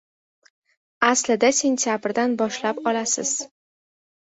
aslida sentyabrdan boshlab olasiz.